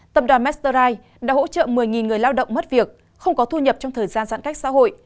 tập đoàn mastery đã hỗ trợ một mươi người lao động mất việc không có thu nhập trong thời gian giãn cách xã hội